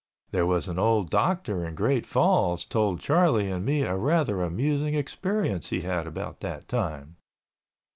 There was an old doctor in Great Falls told Charlie and me a rather amusing experience he had about that time.